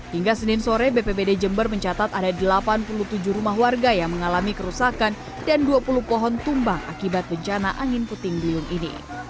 hingga senin sore bpbd jember mencatat ada delapan puluh tujuh rumah warga yang mengalami kerusakan dan dua puluh pohon tumbang akibat bencana angin puting beliung ini